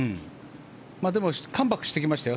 でもカムバックしてきましたよ。